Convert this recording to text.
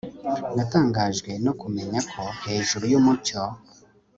Natangajwe no kumenya ko hejuru yumucyo